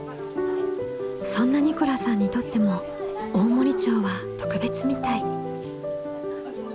そんなニコラさんにとっても大森町は特別みたい。